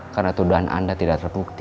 karena tuduhan anda tidak terbukti